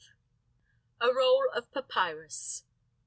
A ROLL OF PAPYRUS.